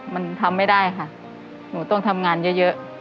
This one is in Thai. มันทำไม่ได้ค่ะหนูต้องทำงานเยอะ